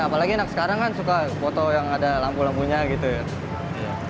apalagi anak sekarang kan suka foto yang ada lampu lampunya gitu ya